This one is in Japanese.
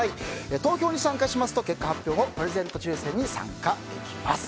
投票に参加しますと結果発表後、プレゼント抽選に参加できます。